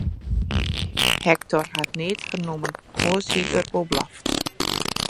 Hektor hat neat fernommen, oars hie er wol blaft.